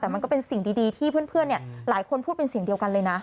แต่มันก็เป็นสิ่งดีที่เพื่อนหลายคนพูดเป็นเสียงเดียวกันเลยนะ